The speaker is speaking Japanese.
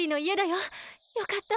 よかった。